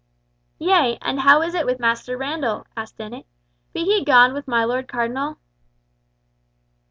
"Yea, and how is it with Master Randall?" asked Dennet. "Be he gone with my Lord Cardinal?"